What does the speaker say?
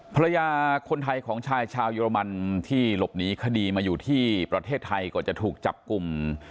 ภรรยาคนไทยของชายชาวเยอรมันที่หลบหนีคดีมาอยู่ที่ประเทศไทยก่อนจะถูกจับกลุ่ม